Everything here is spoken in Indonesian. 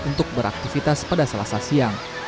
untuk beraktivitas pada selasa siang